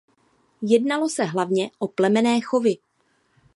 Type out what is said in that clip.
Jednalo se hlavně o plemenné chovy.